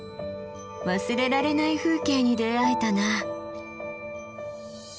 忘れられない風景に出会えたな。